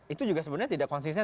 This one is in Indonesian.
itu juga sebenarnya tidak konsisten